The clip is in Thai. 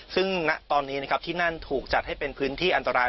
ซึ่งณตอนนี้นะครับที่นั่นถูกจัดให้เป็นพื้นที่อันตราย